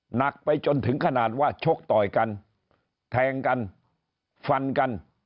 หนักไปจนถึงขนาดว่าชกต่อยกันแทงกันฟันกัน